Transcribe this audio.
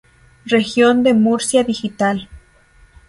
Región de Murcia digital.